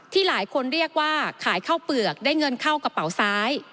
หลายคนเรียกว่าขายข้าวเปลือกได้เงินเข้ากระเป๋าซ้าย